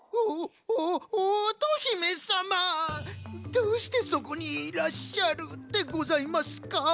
どうしてそこにいらっしゃるでございますか？